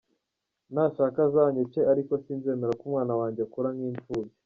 Nashake azanyice ariko sinzemera ko umwana wanjye akura nk’imfubyi.